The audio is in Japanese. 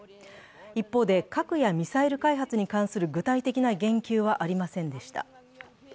一方で、核やミサイル開発に関する具体的な言及はありませんでした。